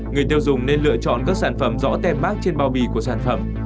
người tiêu dùng nên lựa chọn các sản phẩm rõ tèm bác trên bao bì của sản phẩm